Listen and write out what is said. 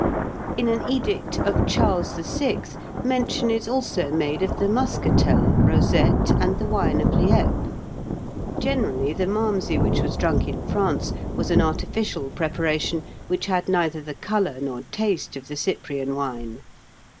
In an edict of Charles VI. mention is also made of the muscatel, rosette, and the wine of Lieppe. Generally, the Malmsey which was drunk in France was an artificial preparation, which had neither the colour nor taste of the Cyprian wine.